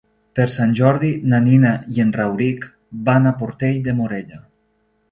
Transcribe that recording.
Per Sant Jordi na Nina i en Rauric van a Portell de Morella.